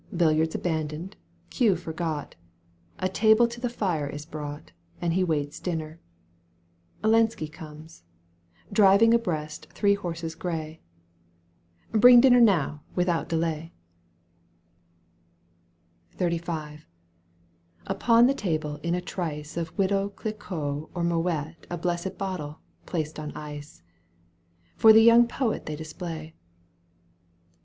Billiards abandoned, cue forgot, A table to the fire is brought, And he waits dinner. Lenski comes, Driving abreast three horses gray. " Bring dinner now without delay I " Digitized by VjOOQ 1С 120 EUGENE ONilGUINE. canto iv. XXXV. Upon the table in a trice Of widow Clicquot or Moet A blessed bottle, placed in ice, For the young poet they display.